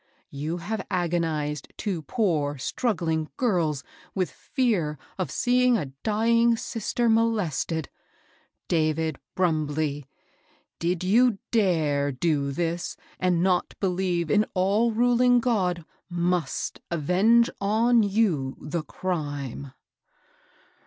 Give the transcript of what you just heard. you have agonized two poor, struggling girls with fear of seeing a dying sister molested ! David Brum bley J jid you dare do this, and not believe an all ruling God i*iust avenge on you the crime